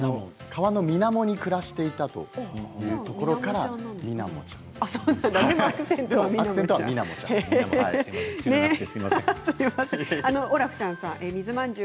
川のみなもに暮らしていたというところからミナモちゃんと呼ばれています。